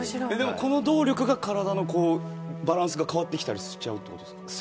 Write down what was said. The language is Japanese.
でも、この動力が体のこう、バランスが変わってきたりしちゃうってことですか。